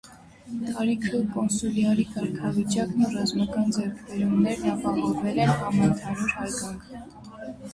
Տարիքը, կոնսուլյարի կարգավիճակն ու ռազմական ձեռքբերումներն ապահովել են համընդհանուր հարգանք։